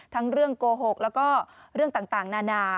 ทั้งเรื่องโกหกแล้วก็เรื่องต่างนานา